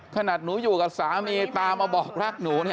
ขนาดหนูอยู่กับสามีตามมาบอกรักหนู